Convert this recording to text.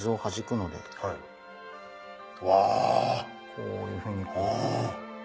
こういうふうに。